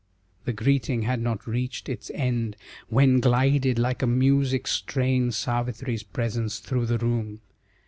The greeting had not reached its end, When glided like a music strain Savitri's presence through the room.